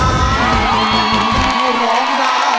ร้องได้ให้ร้าน